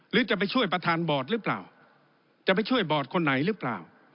หรือจะไปช่วยประธานบอร์ดหรือเปล่าจะไปช่วยบอร์ดคนไหนหรือเปล่า